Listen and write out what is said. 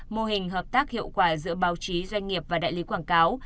mô hình hợp tác hiệu quả giữa báo chí doanh nghiệp và đại lý quảng cáo